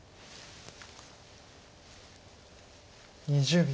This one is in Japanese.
２０秒。